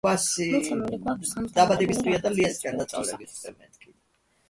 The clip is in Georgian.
მოცემული გვაქვს — სამს დამატებული რაღაც რიცხვი უდრის ათს.